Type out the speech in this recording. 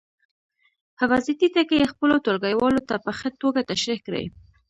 حفاظتي ټکي یې خپلو ټولګیوالو ته په ښه توګه تشریح کړئ.